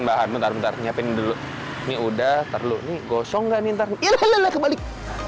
bahan mentar mentar siapin dulu ini udah terlalu nih gosong gani ntar ini kebalik